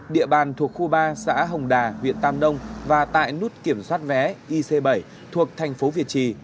địa bàn thuộc khu ba xã hồng đà huyện tam đông và tại nút kiểm soát vé ic bảy thuộc thành phố việt trì